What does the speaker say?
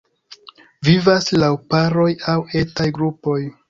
Vivas laŭ paroj aŭ etaj grupoj.